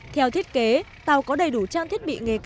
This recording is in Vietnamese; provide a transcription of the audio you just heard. theo thiết kế tàu có đầy đủ trang thiết bị nghề cá